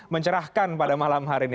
mencerahkan pada malam hari ini